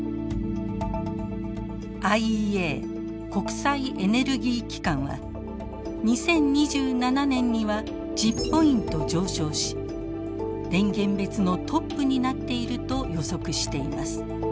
ＩＥＡ＝国際エネルギー機関は２０２７年には１０ポイント上昇し電源別のトップになっていると予測しています。